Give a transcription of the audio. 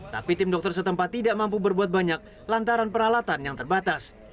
tapi tim dokter setempat tidak mampu berbuat banyak lantaran peralatan yang terbatas